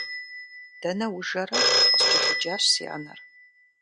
Дэнэ ужэрэ? – къыскӀэлъыджащ си анэр.